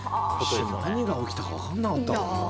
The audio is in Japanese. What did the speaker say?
一瞬何が起きたか分からなかった。